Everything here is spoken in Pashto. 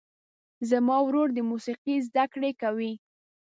زما ورور د موسیقۍ زده کړه کوي.